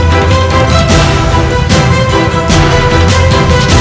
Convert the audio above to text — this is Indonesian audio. jadi namanya saya tidak mengapainya